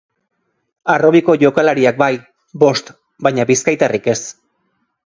Harrobiko jokalariak bai, bost, baina bizkaitarrik ez.